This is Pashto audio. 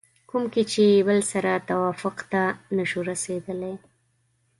کوم کې چې بل سره توافق ته نشو رسېدلی